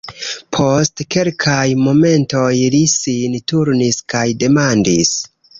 Post kelkaj momentoj li sin turnis kaj demandis: